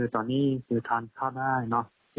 ตอนนี้คือทานข้าวได้